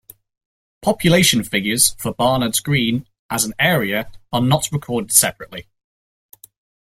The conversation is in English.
Population figures for Barnards Green as an area are not recorded separately.